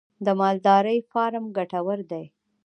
د مالدارۍ فارم ګټور دی؟